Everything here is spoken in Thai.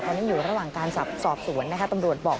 ตอนนี้อยู่ระหว่างการสอบสวนนะคะตำรวจบอก